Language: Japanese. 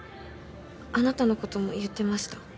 あなたのことも言ってました。